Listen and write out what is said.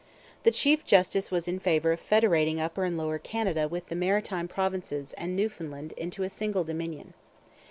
The chief justice was in favour of federating Upper and Lower Canada with the Maritime Provinces and Newfoundland into a single dominion.